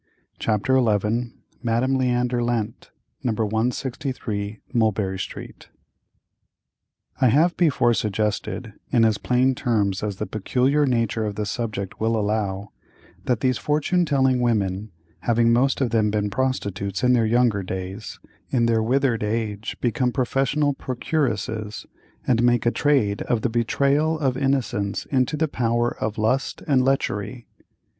CHAPTER XI. MADAME LEANDER LENT, No. 163 MULBERRY STREET. I have before suggested, in as plain terms as the peculiar nature of the subject will allow, that these fortune telling women, having most of them been prostitutes in their younger days, in their withered age become professional procuresses, and make a trade of the betrayal of innocence into the power of Lust and Lechery.